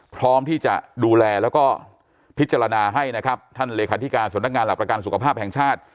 พร้อมที่จะดูแลแล้วก็พิจารณาให้นะครับท่านเลขาธิการสำนักงานหลักประกันสุขภาพแห่งชาติ